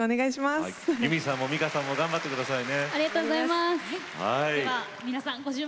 ミカさんも結海さんも頑張ってくださいね。